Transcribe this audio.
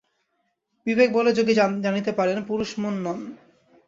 বিবেকবলে যোগী জানিতে পারেন, পুরুষ মন নন।